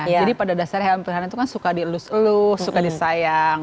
jadi pada dasarnya hal periharaan itu kan suka dielus elus suka disayang